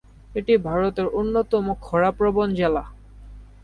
এটি ভারতের অন্যতম খরা প্রবণ জেলা।